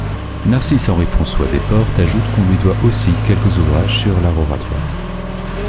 Narcisse Henri François Desportes ajoute qu'on lui doit aussi quelques ouvrages sur l'art oratoire.